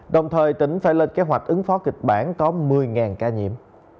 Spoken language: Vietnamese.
đồng thời tỉnh phải lên kế hoạch ứng phó kịch bản có một mươi ca nhiễm